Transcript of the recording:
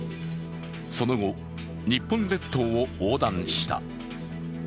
その後、日本列島を横断した。